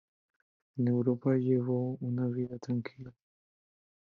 En Europa llevó una vida tranquila.